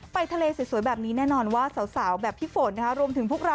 ไปทะเลสวยแบบนี้แน่นอนว่าสาวแบบพี่ฝนนะคะ